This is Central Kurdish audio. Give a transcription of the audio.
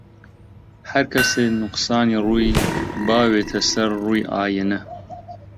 هەر کەسێ نوقسانی ڕووی باوێتە سەر ڕووی ئاینە